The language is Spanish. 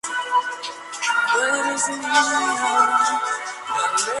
Fue alumno de Jean Lafont en piano y de Luigi Ricci en composición.